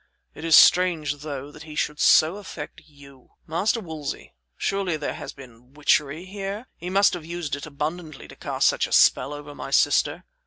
It is strange, though, that he should so affect you. Master Wolsey, surely there has been witchery here. He must have used it abundantly to cast such a spell over my sister."